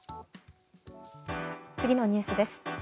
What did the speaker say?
次のニュースです。